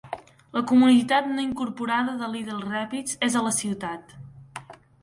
La comunitat no incorporada de Little Rapids és a la ciutat.